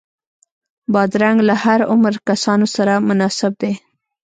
بادرنګ له هر عمره کسانو سره مناسب دی.